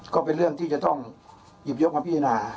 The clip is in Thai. ก็เป็นเรื่องที่จะต้องหยิบยกมาพิจารณา